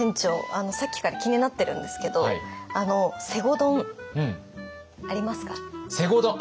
あのさっきから気になってるんですけどあの西郷丼ありますか？